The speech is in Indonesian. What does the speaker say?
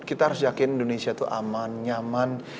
kita harus yakin indonesia itu aman nyaman